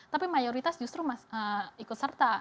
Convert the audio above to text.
tapi mayoritas justru ikut serta